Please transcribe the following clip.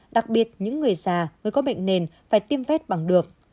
đặc biệt những người già người có bệnh nền phải tiêm vét bằng được